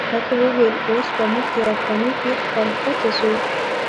هغه وویل اوس به موږ د افغاني پیر خانقا ته ځو.